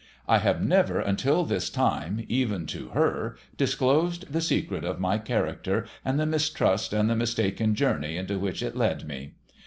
I have never until this time, even to her, disclosed the secret of my character, and the mistrust and the mistaken journey into which it led me.